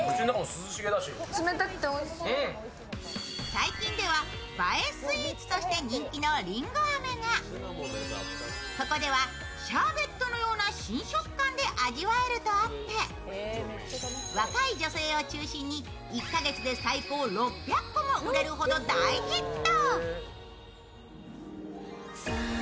最近では映えスイーツとして人気のりんご飴が、ここではシャーベットのような新食感で味わえるとあって若い女性を中心に１か月で最高６００個も売れるほど大ヒット。